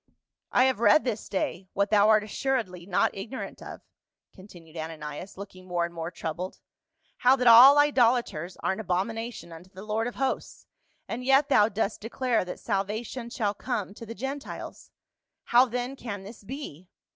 " I have read this day, what thou art assuredly not ignorant of," continued Ananias, looking more and more troubled, " how that all idolaters are an abomin ation unto the Lord of Hosts, and yet thou dost declare that salvation shall come to the Gentiles. How then can this be